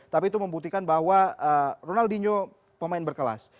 tapi itu membuktikan bahwa ronaldinho pemain berkelas